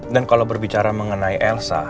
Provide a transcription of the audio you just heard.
dan kalau berbicara mengenai elsa